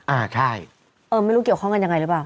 อ่าใช่เออไม่รู้เกี่ยวข้องกันยังไงหรือเปล่า